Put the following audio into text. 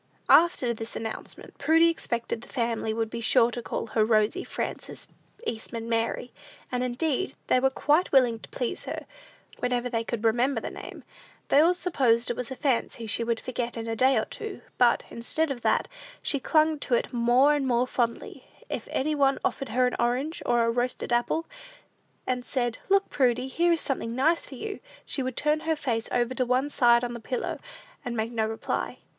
After this announcement, Prudy expected the family would be sure to call her Rosy Frances Eastman Mary; and, indeed, they were quite willing to please her, whenever they could remember the name. They all supposed it was a fancy she would forget in a day or two; but, instead of that, she clung to it more and more fondly. If any one offered her an orange, or roasted apple, and said, "Look, Prudy; here is something nice for you," she would turn her face over to one side on the pillow, and make no reply.